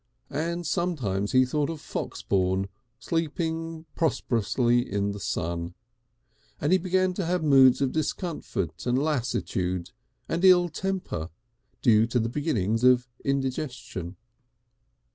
And sometimes he thought of Foxbourne sleeping prosperously in the sun. And he began to have moods of discomfort and lassitude and ill temper due to the beginnings of indigestion.